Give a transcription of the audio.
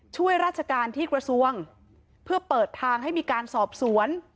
ช่วยราชการที่กระทรวงเพื่อเปิดทางให้มีการสอบสวน